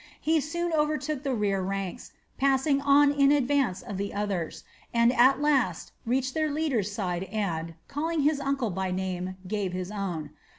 He soon overtook the rear ranks, passed on in advance of the others, and at last reached their leader's side and, calling his uncle by name, gave his own.